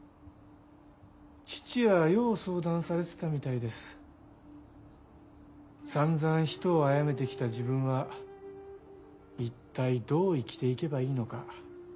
父はよう相談されてたみたいです「散々人を殺めて来た自分は一体どう生きて行けばいいのか。